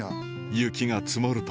雪が積もると